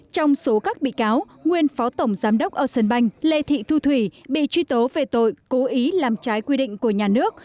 trong số các bị cáo nguyên phó tổng giám đốc ocean bank lê thị thu thủy bị truy tố về tội cố ý làm trái quy định của nhà nước